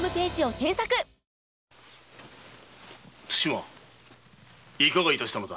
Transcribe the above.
対馬いかが致したのだ？